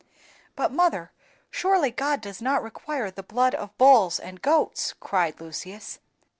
"But, mother, surely God does not require the blood of bulls and goats!" cried Lucius.